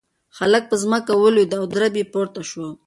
هلک په ځمکه ولوېد او درب یې پورته شو.